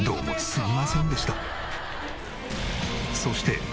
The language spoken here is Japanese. そして。